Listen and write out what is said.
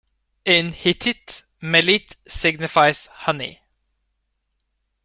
In Hittite "melit" signifies "honey".